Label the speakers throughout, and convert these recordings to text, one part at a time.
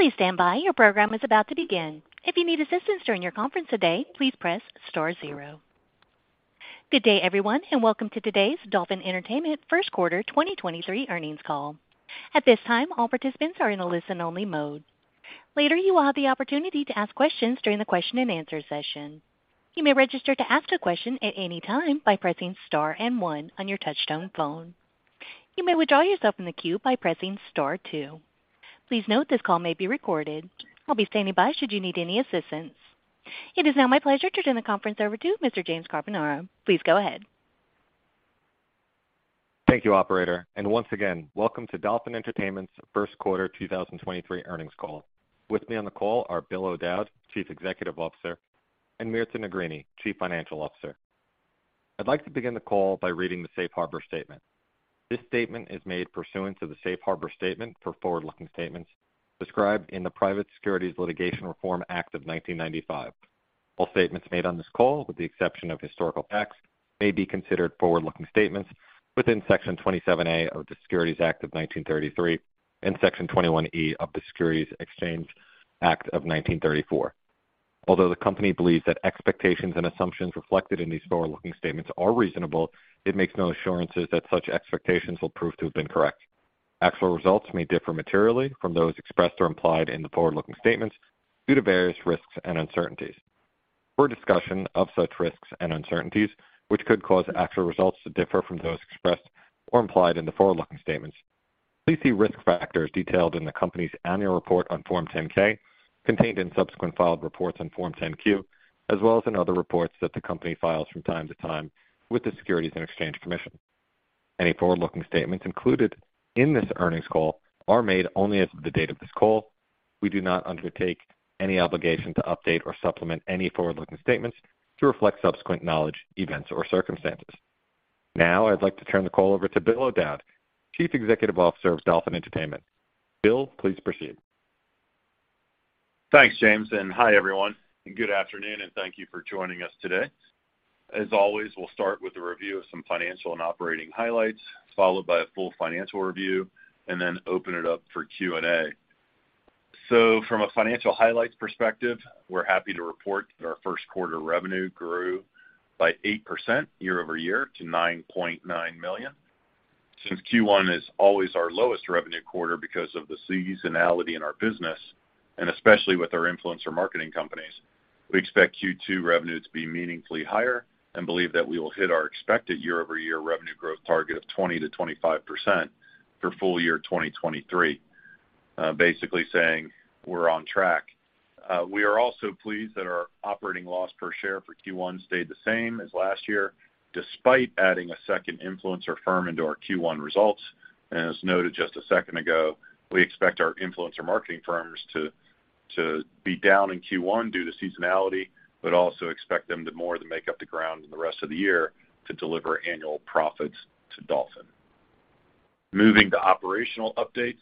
Speaker 1: Please stand by. Your program is about to begin. If you need assistance during your conference today, please press star zero. Good day, everyone, and welcome to today's Dolphin Entertainment first quarter 2023 earnings call. At this time, all participants are in a listen-only mode. Later, you will have the opportunity to ask questions during the question-and-answer session. You may register to ask a question at any time by pressing star one on your touchtone phone. You may withdraw yourself from the queue by pressing star two. Please note this call may be recorded. I'll be standing by should you need any assistance. It is now my pleasure to turn the conference over to Mr. James Carbonara. Please go ahead.
Speaker 2: Thank you, operator, once again, welcome to Dolphin Entertainment's first quarter 2023 earnings call. With me on the call are Bill O'Dowd, Chief Executive Officer, and Mirta Negrini, Chief Financial Officer. I'd like to begin the call by reading the safe harbor statement. This statement is made pursuant to the safe harbor statement for forward-looking statements described in the Private Securities Litigation Reform Act of 1995. All statements made on this call, with the exception of historical facts, may be considered forward-looking statements within Section 27A of the Securities Act of 1933 and Section 21E of the Securities Exchange Act of 1934. Although the company believes that expectations and assumptions reflected in these forward-looking statements are reasonable, it makes no assurances that such expectations will prove to have been correct. Actual results may differ materially from those expressed or implied in the forward-looking statements due to various risks and uncertainties. For a discussion of such risks and uncertainties, which could cause actual results to differ from those expressed or implied in the forward-looking statements, please see risk factors detailed in the company's annual report on Form 10-K, contained in subsequent filed reports on Form 10-Q, as well as in other reports that the company files from time to time with the Securities and Exchange Commission. Any forward-looking statements included in this earnings call are made only as of the date of this call. We do not undertake any obligation to update or supplement any forward-looking statements to reflect subsequent knowledge, events, or circumstances. Now, I'd like to turn the call over to Bill O'Dowd, Chief Executive Officer of Dolphin Entertainment. Bill, please proceed.
Speaker 3: Thanks, James. Hi, everyone, good afternoon, and thank you for joining us today. As always, we'll start with a review of some financial and operating highlights, followed by a full financial review, then open it up for Q&A. From a financial highlights perspective, we're happy to report that our first quarter revenue grew by 8% year-over-year to $9.9 million. Since Q1 is always our lowest revenue quarter because of the seasonality in our business, and especially with our influencer marketing companies, we expect Q2 revenue to be meaningfully higher and believe that we will hit our expected year-over-year revenue growth target of 20%-25% for full year 2023. Basically saying we're on track. We are also pleased that our operating loss per share for Q1 stayed the same as last year, despite adding a second influencer firm into our Q1 results. As noted just a second ago, we expect our influencer marketing firms to be down in Q1 due to seasonality, but also expect them to more than make up the ground in the rest of the year to deliver annual profits to Dolphin. Moving to operational updates.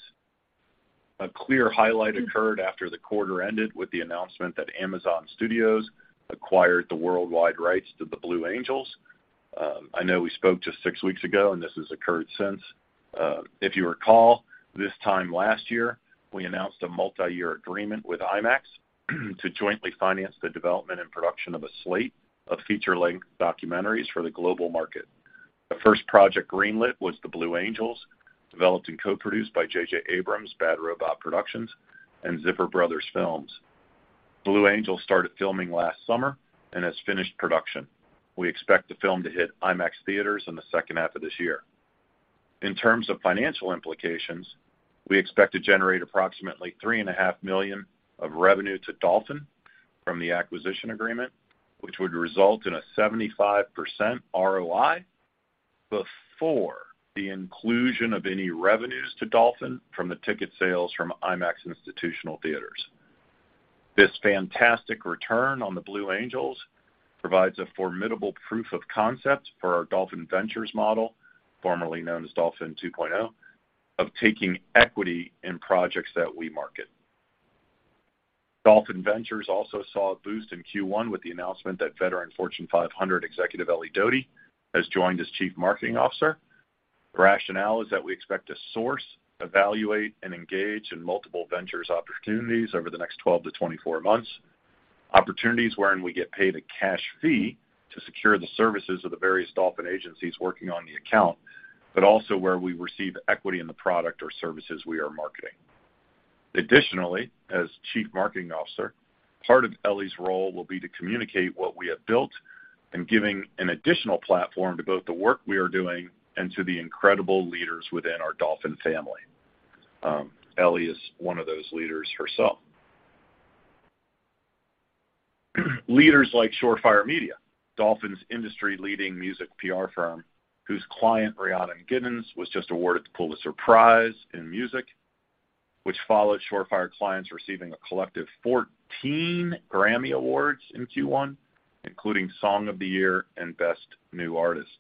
Speaker 3: A clear highlight occurred after the quarter ended with the announcement that Amazon Studios acquired the worldwide rights to The Blue Angels. I know we spoke just six weeks ago, and this has occurred since. If you recall, this time last year, we announced a multi-year agreement with IMAX to jointly finance the development and production of a slate of feature-length documentaries for the global market. The first Project Greenlit was the Blue Angels, developed and co-produced by J.J. Abrams' Bad Robot Productions and Zipper Bros Films. Blue Angels started filming last summer and has finished production. We expect the film to hit IMAX theaters in the second half of this year. In terms of financial implications, we expect to generate approximately three and a half million of revenue to Dolphin from the acquisition agreement, which would result in a 75% ROI before the inclusion of any revenues to Dolphin from the ticket sales from IMAX institutional theaters. This fantastic return on the Blue Angels provides a formidable proof of concept for our Dolphin Ventures model, formerly known as Dolphin 2.0, of taking equity in projects that we market. Dolphin Ventures also saw a boost in Q1 with the announcement that veteran Fortune 500 executive Ellie Doty has joined as chief marketing officer. The rationale is that we expect to source, evaluate, and engage in multiple ventures opportunities over the next 12 to 24 months. Opportunities wherein we get paid a cash fee to secure the services of the various Dolphin agencies working on the account, but also where we receive equity in the product or services we are marketing. Additionally, as chief marketing officer, part of Ellie's role will be to communicate what we have built and giving an additional platform to both the work we are doing and to the incredible leaders within our Dolphin family. Ellie is one of those leaders herself. Leaders like Shore Fire Media, Dolphin's industry-leading music PR firm, whose client, Rhiannon Giddens, was just awarded the Pulitzer Prize in music, which followed Shore Fire clients receiving a collective 14 Grammy Awards in Q1, including Song of the Year and Best New Artist.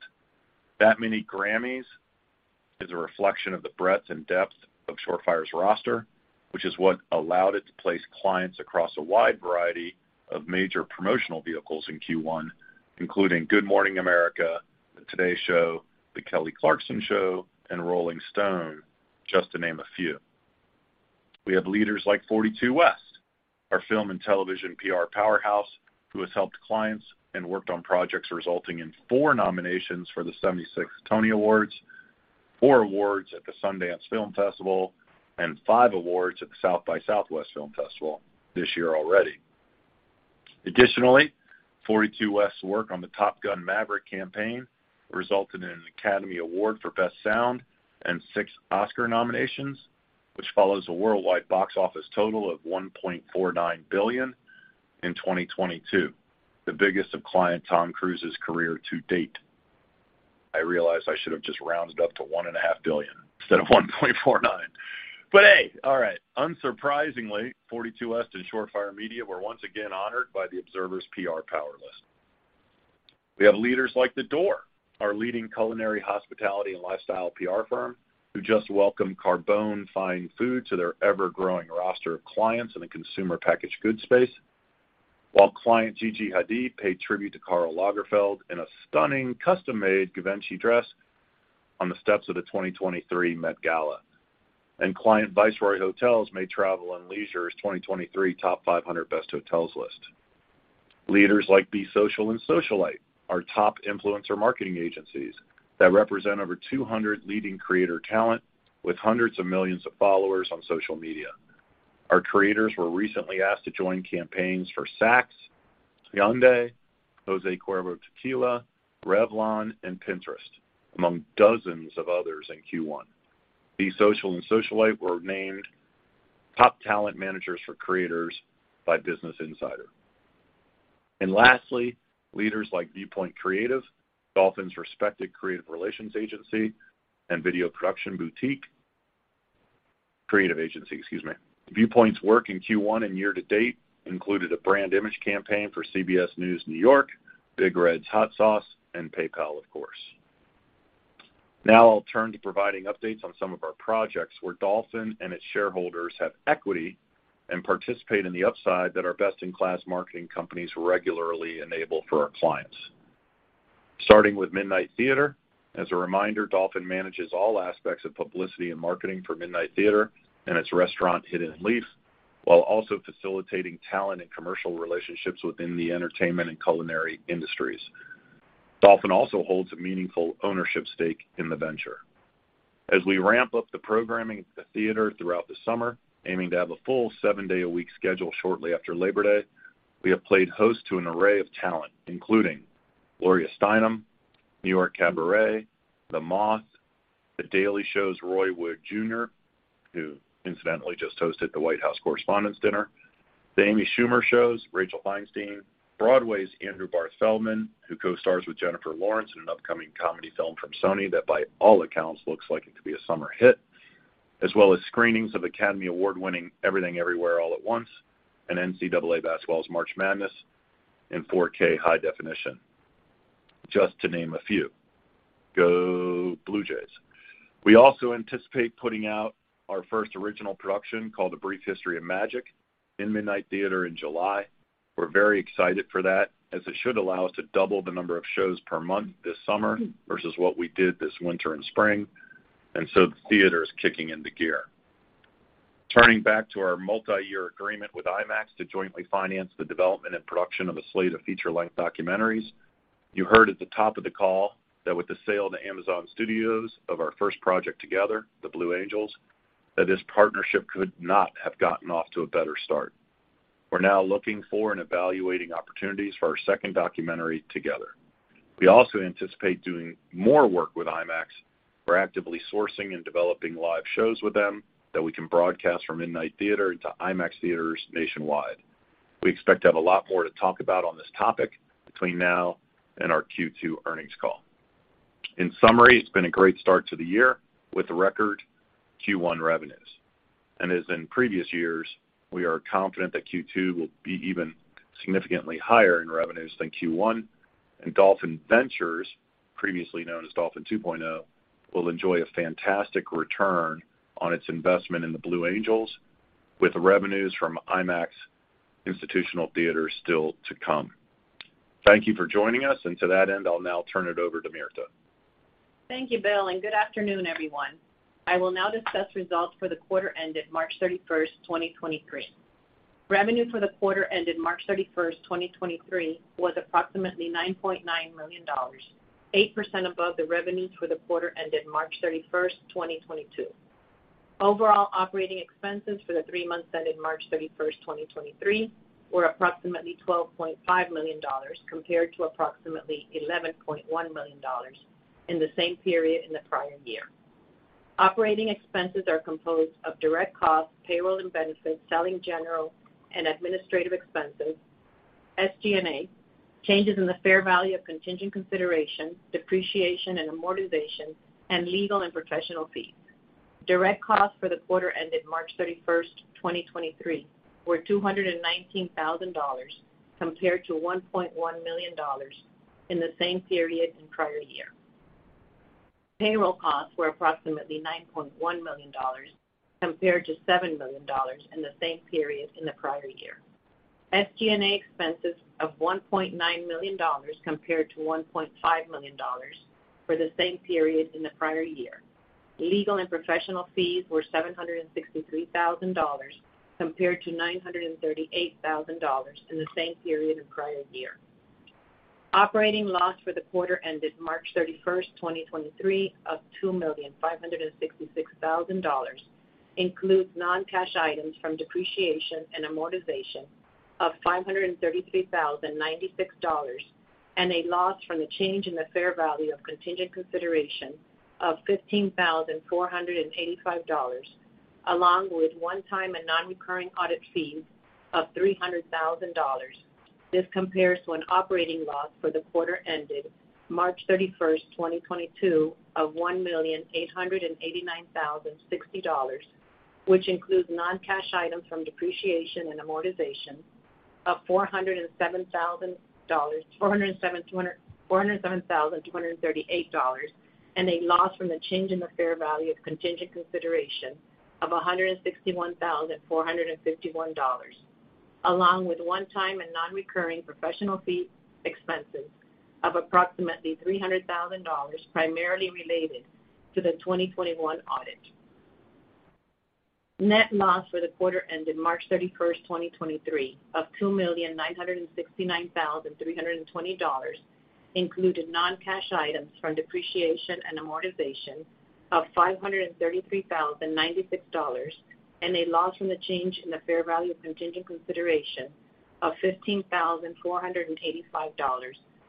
Speaker 3: That many Grammys is a reflection of the breadth and depth of Shore Fire's roster, which is what allowed it to place clients across a wide variety of major promotional vehicles in Q1, including Good Morning America, The Today Show, The Kelly Clarkson Show, and Rolling Stone, just to name a few. We have leaders like 42West, our film and television PR powerhouse, who has helped clients and worked on projects resulting in four nominations for the 76th Tony Awards, four awards at the Sundance Film Festival, and five awards at the South by Southwest Film Festival this year already. 42West's work on the Top Gun: Maverick campaign resulted in an Academy Award for Best Sound and six Oscar nominations, which follows a worldwide box office total of $1.49 billion in 2022, the biggest of client Tom Cruise's career to date. I realize I should have just rounded up to one and a half billion instead of 1.49. Hey. All right. Unsurprisingly, 42West and Shore Fire Media were once again honored by the Observer's PR Power List. We have leaders like The Door, our leading culinary, hospitality, and lifestyle PR firm, who just welcomed Carbone Fine Food to their ever-growing roster of clients in the consumer packaged goods space. Client Gigi Hadid paid tribute to Karl Lagerfeld in a stunning custom-made Givenchy dress on the steps of the 2023 Met Gala. Client Viceroy Hotels made Travel + Leisure's 2023 top 500 best hotels list. Leaders like Be Social and Socialyte, our top influencer marketing agencies that represent over 200 leading creator talent with hundreds of millions of followers on social media. Our creators were recently asked to join campaigns for Saks, Hyundai, Jose Cuervo Tequila, Revlon, and Pinterest, among dozens of others in Q1. Be Social and Socialyte were named top talent managers for creators by Business Insider. Lastly, leaders like Viewpoint Creative, Dolphin's respected creative relations agency and video production boutique. Creative agency, excuse me. Viewpoint's work in Q1 and year to date included a brand image campaign for CBS News New York, Big Red's Hot Sauce, and PayPal, of course. Now I'll turn to providing updates on some of our projects where Dolphin and its shareholders have equity and participate in the upside that our best-in-class marketing companies regularly enable for our clients. Starting with Midnight Theatre, as a reminder, Dolphin manages all aspects of publicity and marketing for Midnight Theatre and its restaurant, Hidden Leaf, while also facilitating talent and commercial relationships within the entertainment and culinary industries. Dolphin also holds a meaningful ownership stake in the venture. As we ramp up the programming at the theater throughout the summer, aiming to have a full seven-day-a-week schedule shortly after Labor Day, we have played host to an array of talent, including Gloria Steinem, New York Cabaret, The Moth, The Daily Show's Roy Wood Jr., who incidentally just hosted the White House Correspondents' Dinner, The Amy Schumer Show's Rachel Feinstein, Broadway's Andrew Barth Feldman, who co-stars with Jennifer Lawrence in an upcoming comedy film from Sony that, by all accounts, looks like it could be a summer hit. As well as screenings of Academy Award-winning Everything Everywhere All at Once and NCAA Basketball's March Madness in 4K high definition, just to name a few. Go Blue Jays. We also anticipate putting out our first original production, called A Brief History of Magic, in Midnight Theatre in July. We're very excited for that as it should allow us to double the number of shows per month this summer versus what we did this winter and spring, and so the Midnight Theatre is kicking into gear. Turning back to our multi-year agreement with IMAX to jointly finance the development and production of a slate of feature-length documentaries. You heard at the top of the call that with the sale to Amazon Studios of our first project together, The Blue Angels, that this partnership could not have gotten off to a better start. We're now looking for and evaluating opportunities for our second documentary together. We also anticipate doing more work with IMAX. We're actively sourcing and developing live shows with them that we can broadcast from Midnight Theatre into IMAX theaters nationwide. We expect to have a lot more to talk about on this topic between now and our Q2 earnings call. In summary, it's been a great start to the year with record Q1 revenues. As in previous years, we are confident that Q2 will be even significantly higher in revenues than Q1. Dolphin Ventures, previously known as Dolphin 2.0, will enjoy a fantastic return on its investment in The Blue Angels, with the revenues from IMAX institutional theaters still to come. Thank you for joining us, and to that end, I'll now turn it over to Mirta.
Speaker 4: Thank you, Bill. Good afternoon, everyone. I will now discuss results for the quarter ended March 31st, 2023. Revenue for the quarter ended March 31st, 2023, was approximately $9.9 million, 8% above the revenues for the quarter ended March 31st, 2022. Overall operating expenses for the three months ended March 31st, 2023, were approximately $12.5 million compared to approximately $11.1 million in the same period in the prior year. Operating expenses are composed of direct costs, payroll and benefits, selling, general, and administrative expenses, SG&A, changes in the fair value of contingent consideration, depreciation and amortization, and legal and professional fees. Direct costs for the quarter ended March 31st, 2023, were $219,000 compared to $1.1 million in the same period in prior year. Payroll costs were approximately $9.1 million compared to $7 million in the same period in the prior year. SG&A expenses of $1.9 million compared to $1.5 million for the same period in the prior year. Legal and professional fees were $763,000 compared to $938,000 in the same period in prior year. Operating loss for the quarter ended March 31, 2023 of $2,566,000 includes non-cash items from depreciation and amortization of $533,096 and a loss from the change in the fair value of contingent consideration of $15,485, along with one time a non-recurring audit fees of $300,000. This compares to an operating loss for the quarter ended March 31st, 2022 of $1,889,060, which includes non-cash items from depreciation and amortization of $407,238, and a loss from the change in the fair value of contingent consideration of $161,451, along with one-time and non-recurring professional fee expenses of approximately $300,000 primarily related to the 2021 audit. Net loss for the quarter ended March 31, 2023 of $2,969,320 included non-cash items from depreciation and amortization of $533,096, and a loss from the change in the fair value of contingent consideration of $15,485,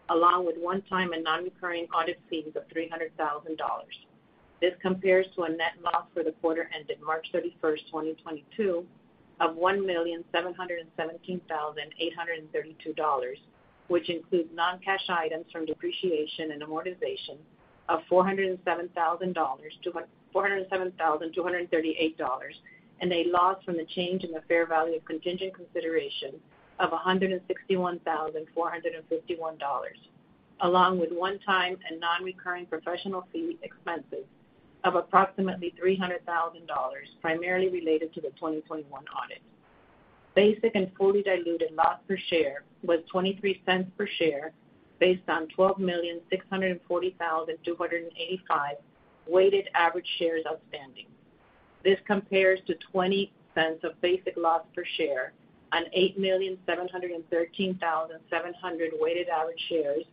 Speaker 4: along with one-time and non-recurring audit fees of $300,000. This compares to a net loss for the quarter ended March 31st, 2022 of $1,717,832, which includes non-cash items from depreciation and amortization of $407,238, and a loss from the change in the fair value of contingent consideration of $161,451, along with one time and non-recurring professional fee expenses of approximately $300,000 primarily related to the 2021 audit. Basic and fully diluted loss per share was $0.23 per share based on 12,640,285 weighted average shares outstanding. This compares to $0.20 of basic loss per share on 8,713,700 weighted average shares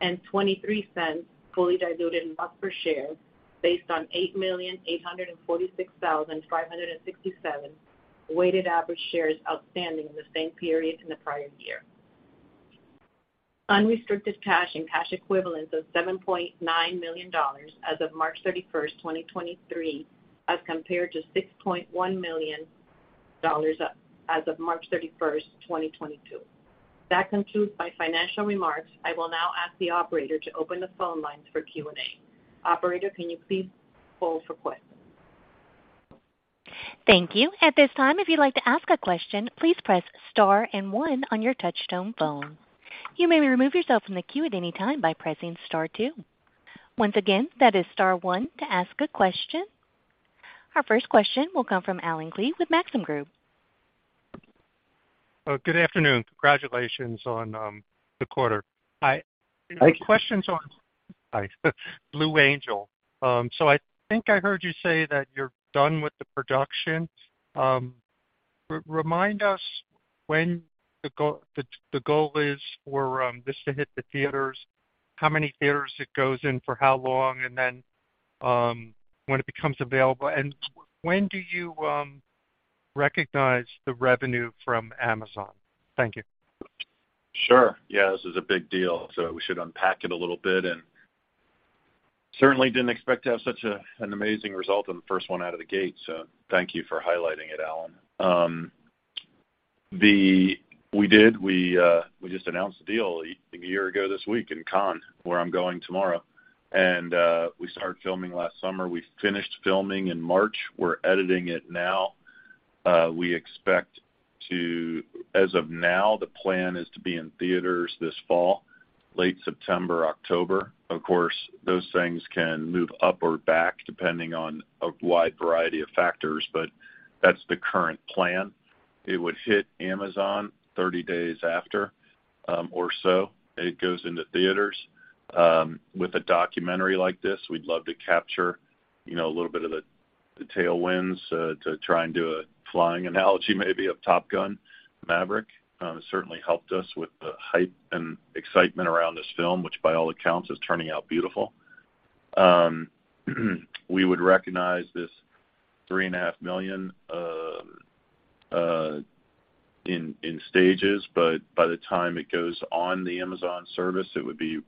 Speaker 4: and $0.23 fully diluted loss per share based on 8,846,567 weighted average shares outstanding in the same period in the prior year. Unrestricted cash and cash equivalents of $7.9 million as of March 31, 2023, as compared to $6.1 million as of March 31, 2022. That concludes my financial remarks. I will now ask the operator to open the phone lines for Q&A. Operator, can you please poll for questions?
Speaker 1: Thank you. At this time, if you'd like to ask a question, please press star and on on your touchtone phone. You may remove yourself from the queue at any time by pressing star two. Once again, that is star one to ask a question. Our first queston will come from Allen Klee with Maxim Group.
Speaker 5: Good afternoon. Congratulations on the quarter.
Speaker 3: Thank you.
Speaker 5: Questions on The Blue Angels. Hi. I think I heard you say that you're done with the production. Remind us when the goal is for this to hit the theaters, how many theaters it goes in for how long, and then when it becomes available, and when do you recognize the revenue from Amazon? Thank you.
Speaker 3: Sure. Yeah. This is a big deal, so we should unpack it a little bit and certainly didn't expect to have such an amazing result on the first one out of the gate, so thank you for highlighting it, Allen. We just announced the deal a year ago this week in Cannes, where I'm going tomorrow. We started filming last summer. We finished filming in March. We're editing it now. We expect as of now, the plan is to be in theaters this fall, late September, October. Of course, those things can move up or back depending on a wide variety of factors, but that's the current plan. It would hit Amazon 30 days after, or so. It goes into theaters. With a documentary like this, we'd love to capture, you know, a little bit of the tailwinds to try and do a flying analogy maybe of Top Gun: Maverick. It certainly helped us with the hype and excitement around this film, which by all accounts is turning out beautiful. We would recognize this three and a half million in stages, but by the time it goes on the Amazon service, it would be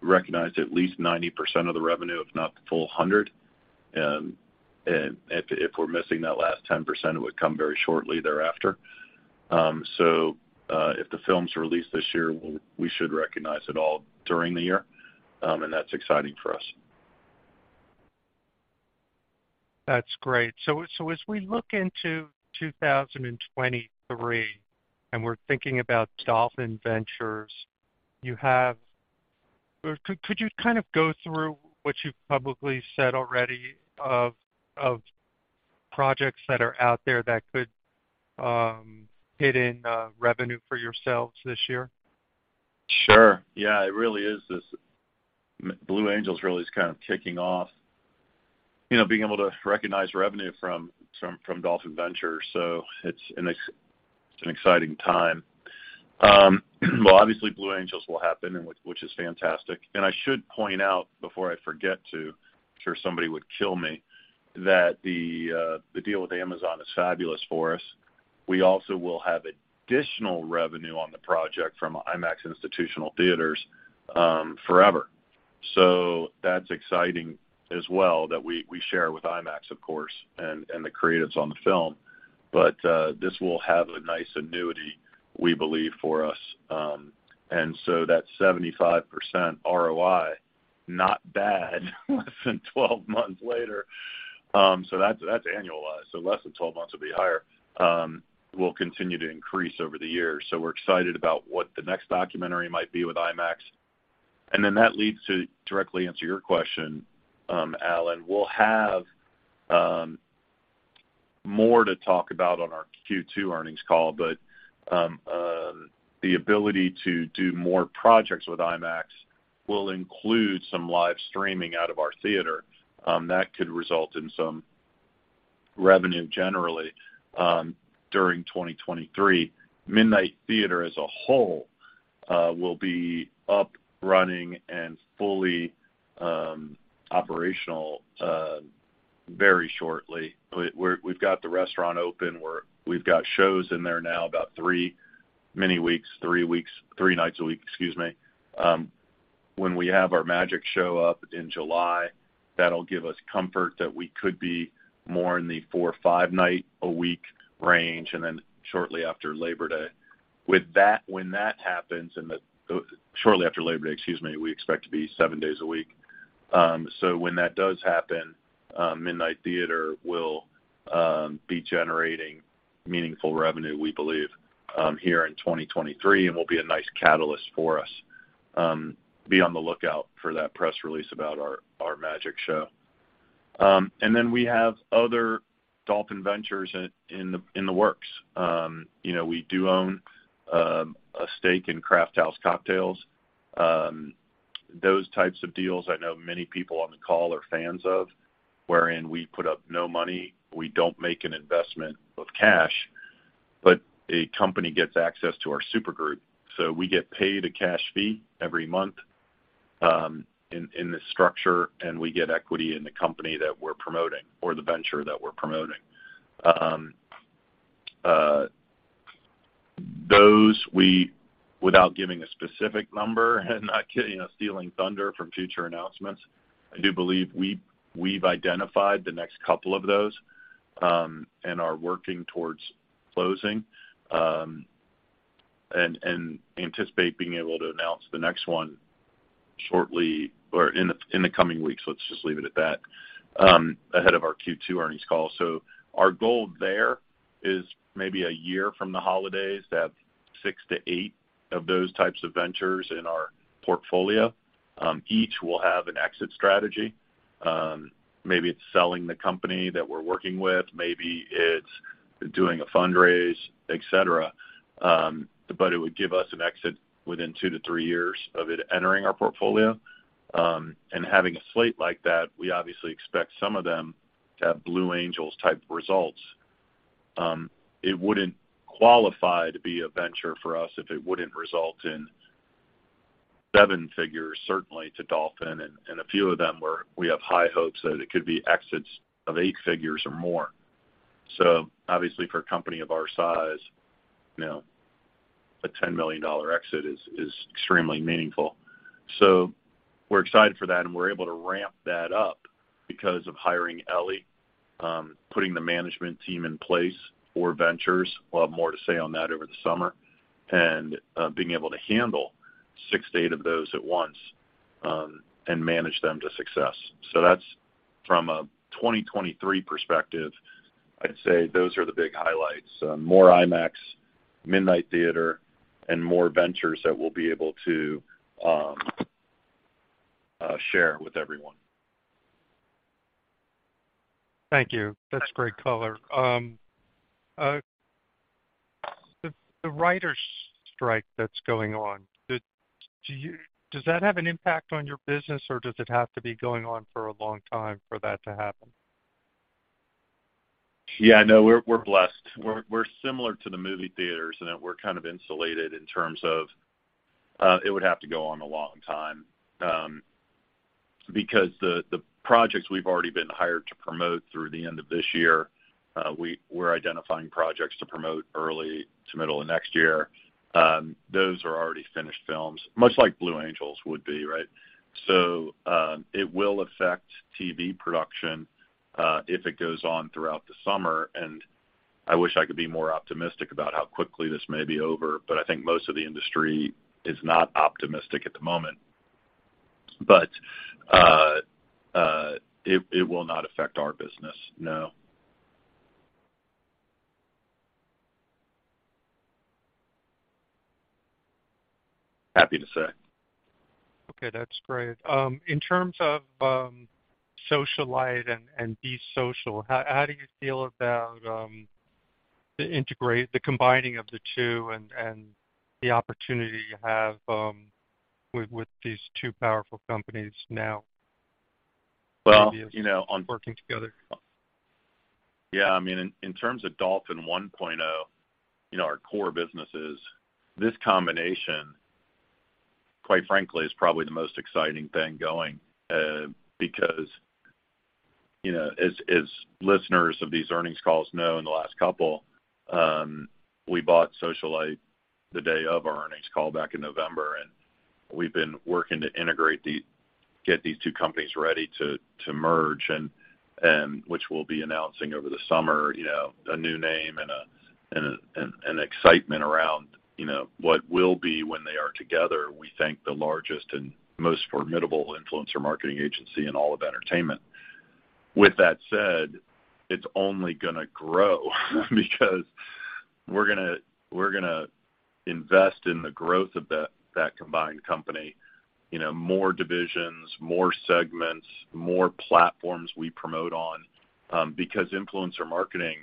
Speaker 3: recognized at least 90% of the revenue, if not the full 100%. If we're missing that last 10%, it would come very shortly thereafter. If the film's released this year, we should recognize it all during the year, and that's exciting for us.
Speaker 5: That's great. As we look into 2023 and we're thinking about Dolphin Ventures, you have or could you kind of go through what you've publicly said already of projects that are out there that could hit in revenue for yourselves this year?
Speaker 3: Sure. Yeah. It really is Blue Angels really is kind of kicking off, you know, being able to recognize revenue from Dolphin Ventures. It's an exciting time. Well, obviously, Blue Angels will happen, and which is fantastic. I should point out, before I forget to, I'm sure somebody would kill me, that the deal with Amazon is fabulous for us. We also will have additional revenue on the project from IMAX institutional theaters, forever. That's exciting as well that we share with IMAX, of course, and the creatives on the film. This will have a nice annuity, we believe, for us. That 75% ROI, not bad less than 12 months later. That's annualized, so less than 12 months will be higher. We'll continue to increase over the years. We're excited about what the next documentary might be with IMAX. That leads to directly answer your question, Alan. We'll have more to talk about on our Q2 earnings call, the ability to do more projects with IMAX will include some live streaming out of our theater that could result in some revenue generally during 2023. Midnight Theatre as a whole will be up, running and fully operational very shortly. We've got the restaurant open. We've got shows in there now about three nights a week, excuse me. When we have our magic show up in July, that'll give us comfort that we could be more in the four or five night a week range. Shortly after Labor Day. Shortly after Labor Day, excuse me, we expect to be seven days a week. When that does happen, Midnight Theatre will be generating meaningful revenue, we believe, here in 2023, and will be a nice catalyst for us. Be on the lookout for that press release about our magic show. We have other Dolphin Ventures in the works. you know, we do own a stake in Crafthouse Cocktails. Those types of deals I know many people on the call are fans of, wherein we put up no money, we don't make an investment of cash, but a company gets access to our supergroup. We get paid a cash fee every month in this structure, and we get equity in the company that we're promoting or the venture that we're promoting. Without giving a specific number and not, you know, stealing thunder from future announcements, I do believe we've identified the next two of those and are working towards closing and anticipate being able to announce the next one shortly or in the coming weeks. Let's just leave it at that ahead of our Q2 earnings call. Our goal there is maybe a year from the holidays to have six-eight of those types of ventures in our portfolio. Each will have an exit strategy. Maybe it's selling the company that we're working with, maybe it's doing a fundraise, et cetera. It would give us an exit within two to three years of it entering our portfolio. Having a slte like that, we obviously expect some of them to have Blue Angels type results. It wouldn't qualify to be a venture for us if it wouldn't result in seven figures, certainly to Dolphin. A few of them, we have high hopes that it could be exits of 8 figures or more. Obviously for a company of our size, you know, a $10 million exit is extremely meaningful. We're excited for that, and we're able to ramp that up because of hiring Ellie, putting the management team in place for ventures. We'll have more to say on that over the summer. Being able to handle six to eight of those at once and manage them to success. That's from a 2023 perspective, I'd say those are the big highlights. More IMAX, Midnight Theater and more ventures that we'll be able to share with everyone.
Speaker 5: Thank you. That's great color. The writers strike that's going on, does that have an impact on your business, or does it have to be going on for a long time for that to happen?
Speaker 3: Yeah, no, we're blessed. We're similar to the movie theaters in that we're kind of insulated in terms of it would have to go on a long time, because the projects we've already been hired to promote through the end of this year, we're identifying projects to promote early to middle of next year. Those are already finished films, much like Blue Angels would be, right? It will affect TV production, if it goes on throughout the summer. I wish I could be more optimistic about how quickly this may be over, but I think most of the industry is not optimistic at the moment. It will not affect our business, no. Happy to say.
Speaker 5: Okay, that's great. In terms of Socialyte and Be Social, how do you feel about the combining of the two and the opportunity you have with these two powerful companies now?
Speaker 3: Well, you know...
Speaker 5: working together?
Speaker 3: Yeah, I mean, in terms of Dolphin 1.0, you know, our core businesses, this combination, quite frankly, is probably the most exciting thing going, because, you know, as listeners of these earnings calls know in the last couple, we bought Socialyte the day of our earnings call back in November. We've been working to integrate these, get these two companies ready to merge and which we'll be announcing over the summer, you know, a new name and excitement around, you know, what will be when they are together, we think the largest and most formidable influencer marketing agency in all of entertainment. With that said, it's only gonna grow because we're gonna invest in the growth of that combined company, you know, more divisions, more segments, more platforms we promote on, because influencer marketing,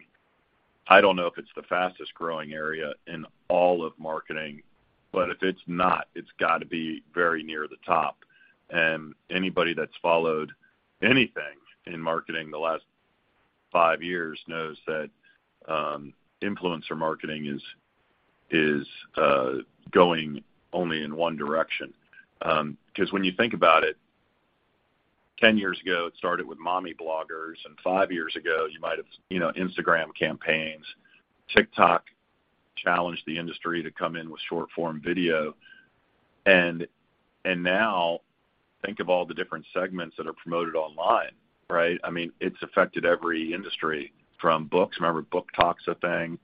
Speaker 3: I don't know if it's the fastest growing area in all of marketing, but if it's not, it's got to be very near the top. Anybody that's followed anything in marketing the last five years knows that influencer marketing is going only in one direction. 'Cause when you think about it, 10 years ago, it started with mommy bloggers, and five years ago, you might have, you know, Instagram campaigns. TikTok challenged the industry to come in with short-form video. Now think of all the different segments that are promoted online, right? I mean, it's affected every industry from books. Remember book talks a thing.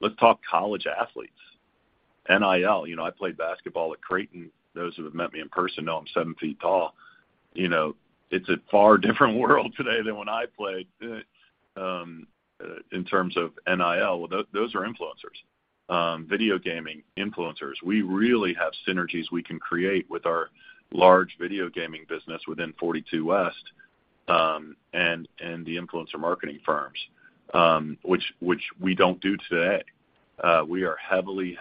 Speaker 3: Let's talk college athletes, NIL. You know, I played basketball at Creighton. Those who have met me in person know I'm seven feet tall. You know, it's a far different world today than when I played in terms of NIL. Well, those are influencers. Video gaming influencers. We really have synergies we can create with our large video gaming business within 42West and the influencer marketing firms which we don't do today. We are heavily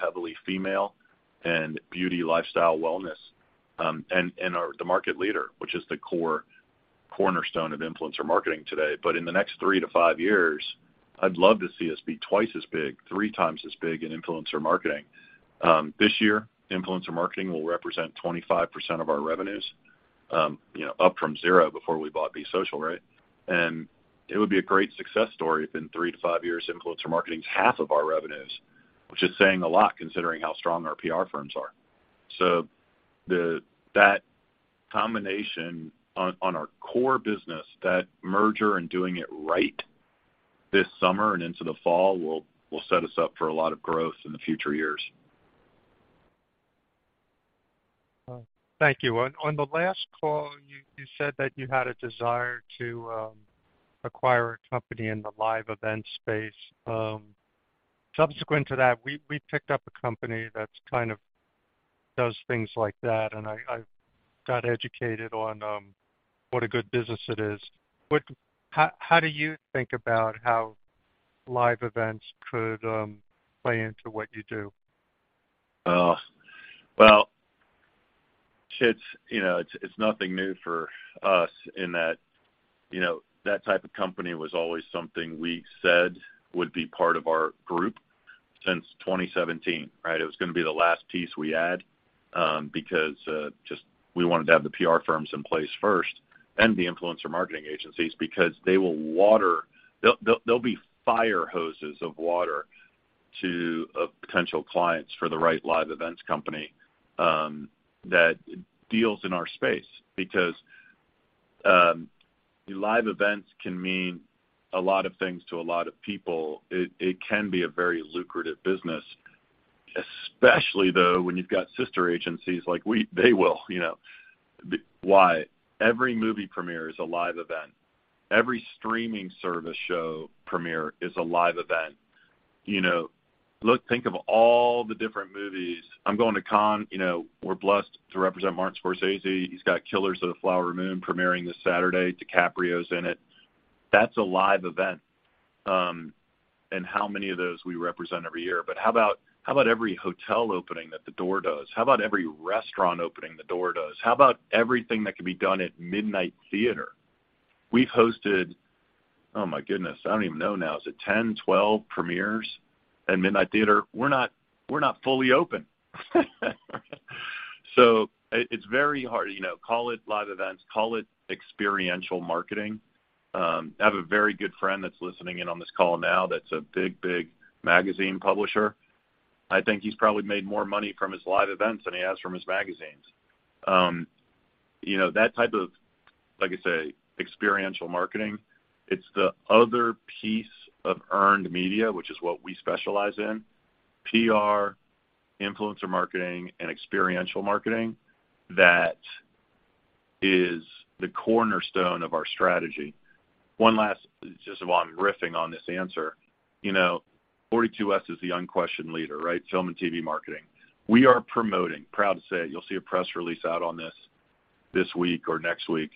Speaker 3: female and beauty, lifestyle, wellness and are the market leader, which is the core cornerstone of influencer marketing today. In the next 3-5 years, I'd love to see us be twice as big, three times as big in influencer marketing. This year, influencer marketing will represent 25% of our revenues, you know, up from 0 before we bought Be Social, right? It would be a great success story if in 3-5 years, influencer marketing is half of our revenues, which is saying a lot considering how strong our PR firms are. That combination on our core business, that merger and doing it right this summer and into the fall will set us up for a lot of growth in the future years.
Speaker 5: Thank you. On the last call, you said that you had a desire to acquire a company in the live event space. Subsequent to that, we picked up a company that's kind of does things like that, and I got educated on what a good business it is. How do you think about how live events could play into what you do?
Speaker 3: It's, you know, it's nothing new for us in that, you know, that type of company was always something we said would be part of our group since 2017, right? It was gonna be the last piece we add because just we wanted to have the PR firms in place first then the influencer marketing agencies because they'll be fire hoses of water to potential clients for the right live events company that deals in our space. Live events can mean a lot of things to a lot of people. It can be a very lucrative business, especially, though, when you've got sister agencies like They will, you know. Why? Every movie premiere is a live event. Every streaming service show premiere is a live event. You know, look, think of all the different movies. I'm going to Cannes. You know, we're blessed to represent Martin Scorsese. He's got Killers of the Flower Moon premiering this Saturday. DiCaprio's in it. That's a live event. How many of those we represent every year. How about every hotel opening that The Door does? How about every restaurant opening The Door does? How about everything that can be done at Midnight Theatre? We've hosted, oh my goodness, I don't even know now, is it 10, 12 premieres at Midnight Theatre? We're not fully open. It's very hard, you know. Call it live events, call it experiential marketing. I have a very good friend that's listening in on this call now that's a big magazine publisher. I think he's probably made more money from his live events than he has from his magazines. You know, that type of like I say, experiential marketing, it's the other piece of earned media, which is what we specialize in, PR, influencer marketing, and experiential marketing that is the cornerstone of our strategy. One last, just while I'm riffing on this answer, you know, 42West is the unquestioned leader, right? Film and TV marketing. We are promoting, proud to say, you'll see a press release out on this this week or next week.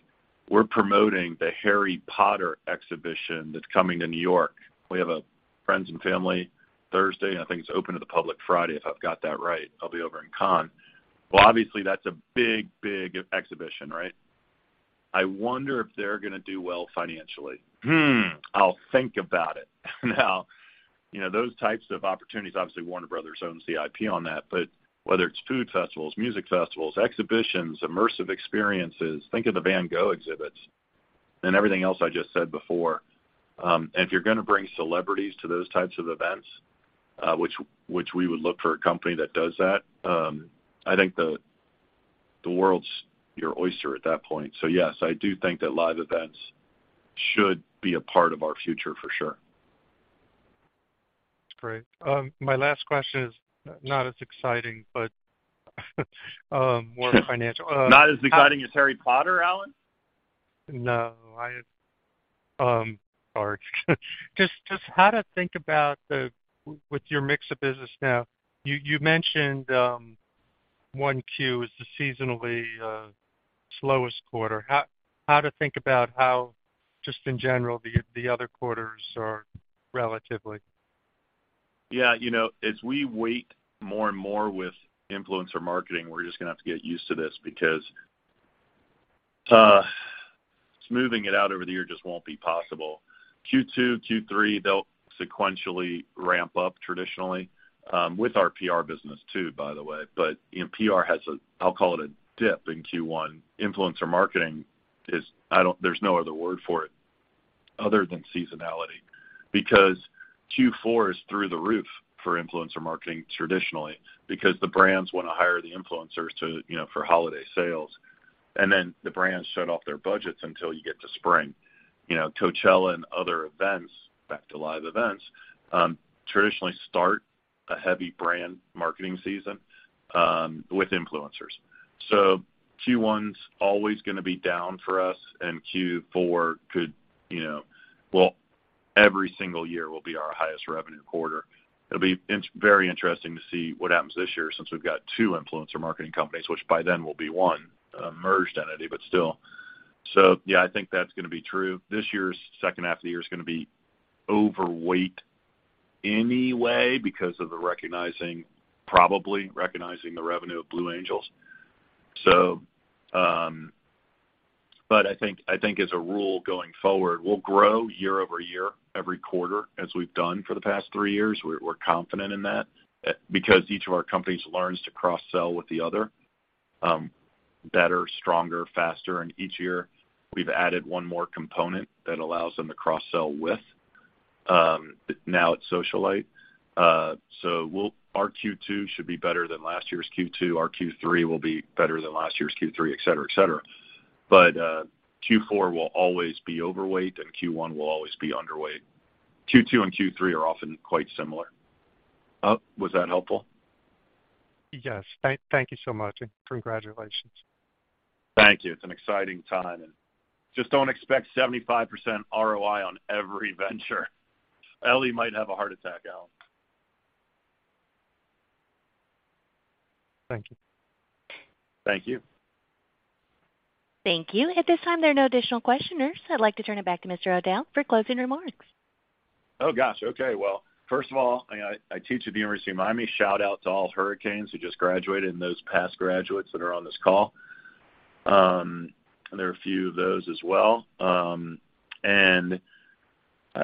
Speaker 3: We're promoting the Harry Potter: The Exhibition that's coming to New York. We have a friends and family Thursday, and I think it's open to the public Friday, if I've got that right. I'll be over in Cannes. Well, obviously, that's a big, big exhibition, right? I wonder if they're gonna do well financially. I'll think about it. You know, those types of opportunities, obviously, Warner Bros. owns the IP on that, but whether it's food festivals, music festivals, exhibitions, immersive experiences, think of the Van Gogh exhibits and everything else I just said before. If you're gonna bring celebrities to those types of events, which we would look for a company that does that, I think the world's your oyster at that point. Yes, I do think that live events should be a part of our future, for sure.
Speaker 5: Great. My last question is not as exciting, but more financial.
Speaker 3: Not as exciting as Harry Potter, Allen?
Speaker 5: No, I. Sorry. Just how to think about with your mix of business now, you mentioned, 1Q is the seasonally slowest quarter. How to think about how, just in general, the other quarters are relatively?
Speaker 3: Yeah. You know, as we weight more and more with influencer marketing, we're just gonna have to get used to this because smoothing it out over the year just won't be possible. Q2, Q3, they'll sequentially ramp up traditionally with our PR business too, by the way. You know, PR has a, I'll call it a dip in Q1. Influencer marketing is... There's no other word for it other than seasonality, because Q4 is through the roof for influencer marketing traditionally, because the brands wanna hire the influencers to, you know, for holiday sales. The brands shut off their budgets until you get to spring. You know, Coachella and other events, back to live events, traditionally start a heavy brand marketing season with influencers. Q1's always gonna be down for us, and Q4 could, you know... Well, every single year will be our highest revenue quarter. It'll be very interesting to see what happens this year since we've got two influencer marketing companies, which by then will be one merged entity, but still. Yeah, I think that's gonna be true. This year's second half of the year is gonna be overweight anyway because of the recognizing, probably recognizing the revenue of Blue Angels. But I think as a rule going forward, we'll grow year-over-year, every quarter as we've done for the past three years. We're confident in that because each of our companies learns to cross-sell with the other better, stronger, faster. Each year, we've added one more component that allows them to cross-sell with. Now it's Socialyte. Our Q2 should be better than last year's Q2. Our Q3 will be better than last year's Q3, et cetera, et cetera. Q4 will always be overweight, and Q1 will always be underweight. Q2 and Q3 are often quite similar. Was that helpful?
Speaker 5: Yes. Thank you so much, and congratulations.
Speaker 3: Thank you. It's an exciting time, and just don't expect 75% ROI on every venture. Ellie might have a heart attack, Allen.
Speaker 5: Thank you.
Speaker 3: Thank you.
Speaker 1: Thank you. At this time, there are no additional questioners. I'd like to turn it back to Mr. O'Dowd for closing remarks.
Speaker 3: Oh, gosh, okay. Well, first of all, I teach at the University of Miami. Shout out to all Hurricanes who just graduated and those past graduates that are on this call. There are a few of those as well. I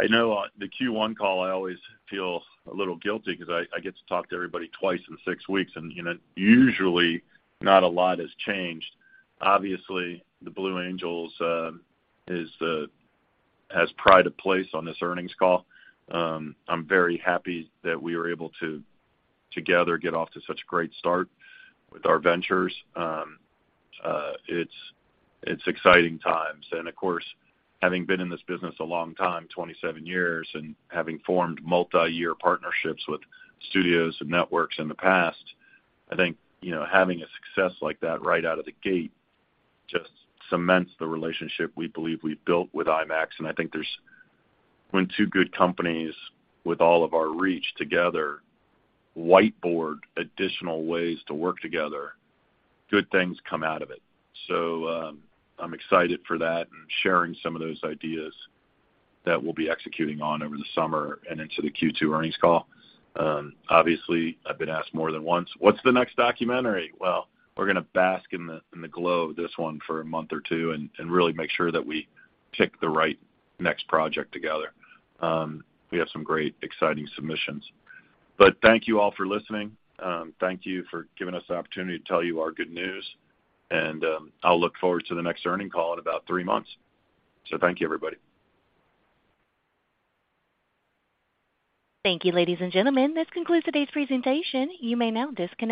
Speaker 3: know on the Q1 call, I always feel a little guilty 'cause I get to talk to everybody twice in six weeks, and, you know, usually not a lot has changed. Obviously, The Blue Angels has pride of place on this earnings call. I'm very happy that we were able to, together, get off to such a great start with our ventures. It's exciting times. Of course, having been in this business a long time, 27 years, and having formed multi-year partnerships with studios and networks in the past, I think, you know, having a success like that right out of the gate just cements the relationship we believe we've built with IMAX. I think when two good companies with all of our reach together whiteboard additional ways to work together, good things come out of it. I'm excited for that and sharing some of those ideas that we'll be executing on over the summer and into the Q2 earnings call. Obviously, I've been asked more than once, "What's the next documentary?" Well, we're gonna bask in the glow of this one for a month or two and really make sure that we pick the right next project together. We have some great, exciting submissions. Thank you all for listening. Thank you for giving us the opportunity to tell you our good news. I'll look forward to the next earning call in about three months. Thank you, everybody.
Speaker 1: Thank you, ladies and gentlemen. This concludes today's presentation. You may now disconnect.